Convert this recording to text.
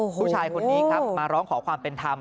ผู้ชายคนนี้ครับมาร้องขอความเป็นธรรม